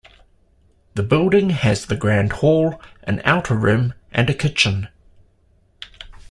The building has the Grand Hall, an outer room, and a kitchen.